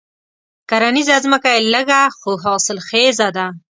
کرنيزه ځمکه یې لږه خو حاصل خېزه ده.